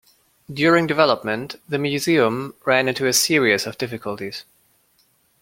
During development, the museum ran into a series of difficulties.